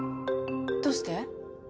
どうして？